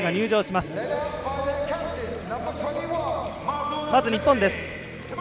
まず日本です。